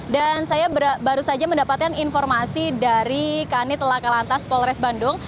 dan saya baru saja mendapatkan informasi dari kanit laka lantas polres bandung